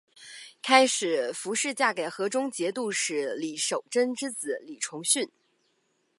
开始符氏嫁给河中节度使李守贞之子李崇训。